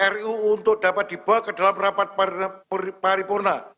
ruu untuk dapat dibawa ke dalam rapat paripurna